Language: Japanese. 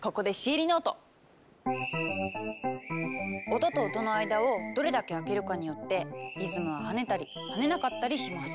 音と音の間をどれだけ空けるかによってリズムは跳ねたり跳ねなかったりします！